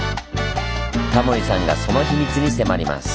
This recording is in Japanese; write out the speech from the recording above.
タモリさんがその秘密に迫ります。